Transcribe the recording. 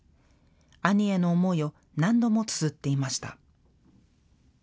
兄への思いを何度もつづっていました。